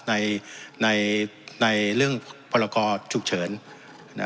ในเรื่องภารกอชุกเฉิน